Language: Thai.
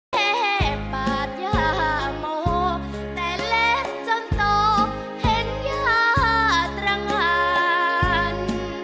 แค่ปาดย่าโมแต่เล็กจนโตเห็นย่าตรงาน